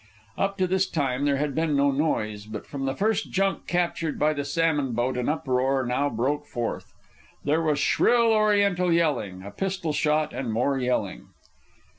Up to this time there had been no noise, but from the first junk captured by the salmon boat an uproar now broke forth. There was shrill Oriental yelling, a pistol shot, and more yelling.